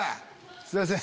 すいません。